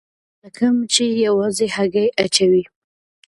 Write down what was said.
ملکه مچۍ یوازې هګۍ اچوي